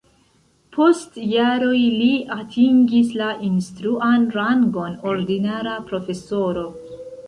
Post jaroj li atingis la instruan rangon ordinara profesoro.